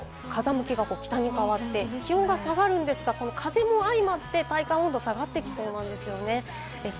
雨がやんだ後、風向きが北に変わって、気温が下がるんですが、風も相まって、体感温度が下がってきそうなんですよね。